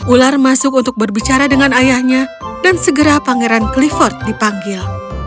ular masuk untuk berbicara dengan ayahnya dan segera pangeran clifford dipanggil